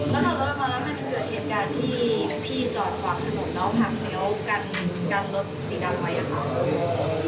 ไม่เห็นครับ